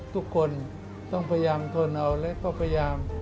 ทุกคนต้องพยายามทนเอาและก็พยายาม